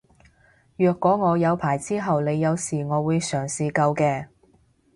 若果我有牌之後你有事我會嘗試救嘅